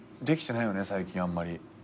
できてないよね最近あんまり。